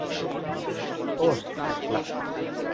ওহ, লাগবে না।